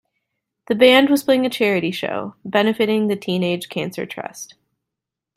The band was playing a charity show, benefiting the Teenage Cancer Trust.